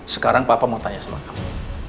sekarang papa mau tanya sama kamu